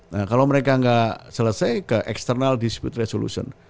nah kalau mereka gak selesai ke external dispute resolution